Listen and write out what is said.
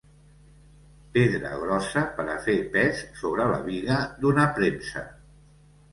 Pedra grossa per a fer pes sobre la biga d'una premsa.